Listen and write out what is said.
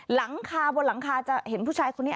หลังคาบนหลังคาจะเห็นผู้ชายคนนี้